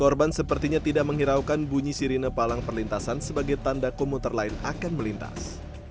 korban sepertinya tidak menghiraukan bunyi sirine palang perlintasan sebagai tanda komuter lain akan melintas